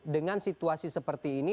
dengan situasi seperti ini